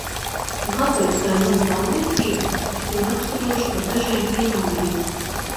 Un kāpēc tā ir mana pārliecība, es to raksturošu ar dažiem piemēriem.